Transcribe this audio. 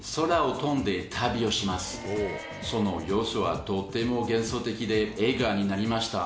その様子はとても幻想的で映画になりました。